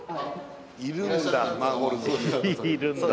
いるんだ